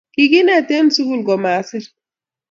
kikinet en sukul komasir